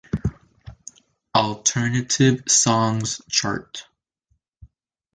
Alternative Songs chart.